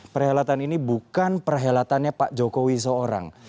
perhelatan ini bukan perhelatannya pak jokowi seorang